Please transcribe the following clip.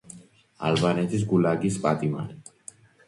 ალბანეთის გულაგის პატიმარი.